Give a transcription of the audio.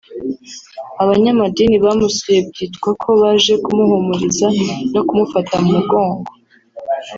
Abanyamadini bamusuye byitwa ko baje kumuhumuriza no kumufata mu mugongo